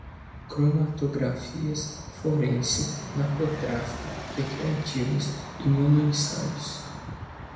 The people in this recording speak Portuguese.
cromatográficas, forense, narcotráfico, recreativos, imunoensaios